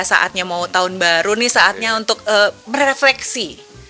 saatnya mau tahun baru nih saatnya untuk merefleksi